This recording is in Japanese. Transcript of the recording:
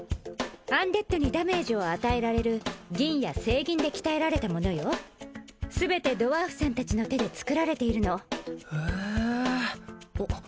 アンデッドにダメージを与えられる銀や聖銀で鍛えられたものよ全てドワーフさん達の手で作られているのへえあっ